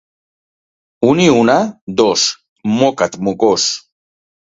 Una i una? / —Dos. / —Moca't, mocós.